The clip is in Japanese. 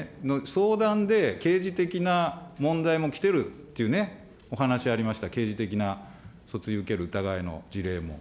相談で刑事的な問題も来てるっていうね、お話ありました、刑事的な訴追を受ける疑いの事例も。